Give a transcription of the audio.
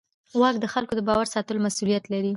واک د خلکو د باور ساتلو مسؤلیت لري.